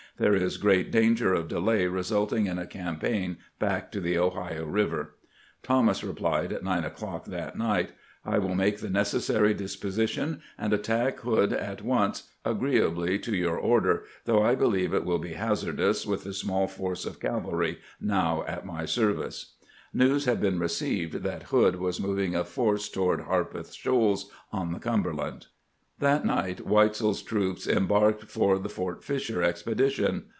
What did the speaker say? There is great danger of delay resulting in a campaign back to the Ohio River." Thomas replied at 9 o'clock that night :".. .1 will make the necessary dispositions and attack Hood at once, agreeably to your order, though I believe it will be hazardous with the small force of cavalry now at my service." News had been received that Hood was moving a force toward Harpeth Shoals on the Cum berland. That night Weitzel's troops embarked for the Fort Fisher expedition.